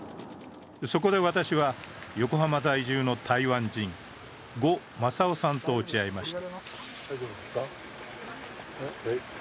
そこで私は、横浜在住の台湾人呉正男さんと落ち合いました。